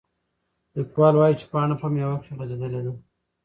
لیکوال وایي چې پاڼه په میوه کې غځېدلې ده.